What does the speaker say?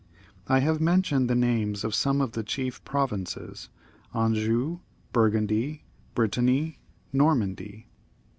I have mentioned the names of some of the chief pro vinces — Anjou, Burgundy, Brittany, Normandy.